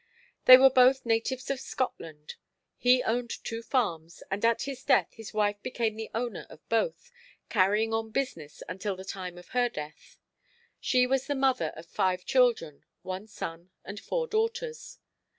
They were both natives of Scotland. He owned two farms, and at his death his wife became the owner of both, carrying on business until the time of her death. She was the mother of five children, one son and four daughters.